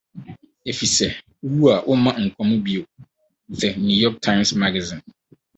Efisɛ sɛ ‘ wuwu ’ a womma nkwa mu bio. — The New York Times Magazine.